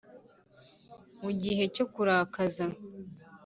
Mu gihe cyo kurakaza